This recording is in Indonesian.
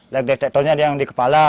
lag detector nya yang di kepala